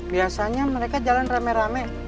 biasanya mereka jalan rame rame